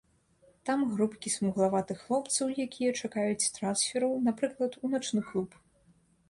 Там групкі смуглаватых хлопцаў, якія чакаюць трансферу, напрыклад, у начны клуб.